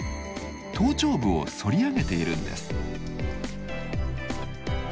頭頂部をそり上げているんです。